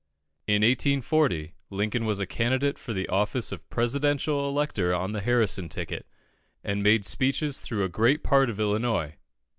In 1840, Lincoln was a candidate for the office of Presidential elector on the Harrison ticket, and made speeches through a great part of Illinois.